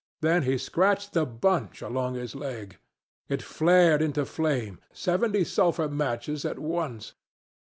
Then he scratched the bunch along his leg. It flared into flame, seventy sulphur matches at once!